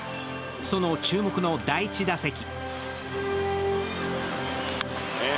その注目の第１打席。